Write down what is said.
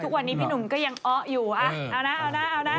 ทุกวันนี้พี่หนุ่มก็ยังเอาอยู่เอานะแล้ว